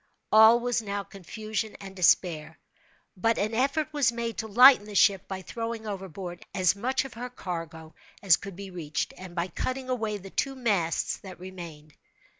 All was now confusion and despair—but an effort was made to lighten the ship by throwing overboard as much of her cargo as could be reached, and by cutting away the two masts that remained.